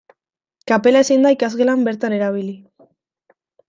Kapela ezin da ikasgelan bertan erabili.